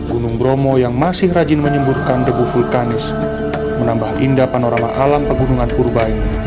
gunung bromo yang masih rajin menyemburkan debu vulkanis menambah indah panorama alam pegunungan purba ini